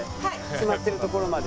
決まってるところまで。